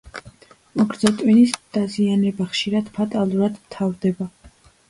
მოგრძო ტვინის დაზიანება ხშირად ფატალურად მთავრდება.